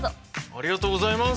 ありがとうございます。